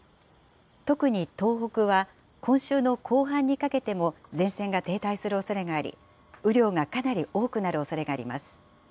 特に東北は、今週の後半にかけても前線が停滞するおそれがあり、雨量がかなり多くなるおそれがあります。